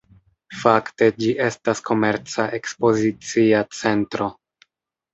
Fakte ĝi estas komerca-ekspozicia centro.